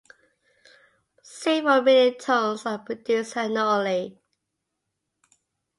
Several million tonnes are produced annually.